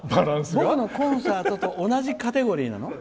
僕のコンサートと同じカテゴリーなの？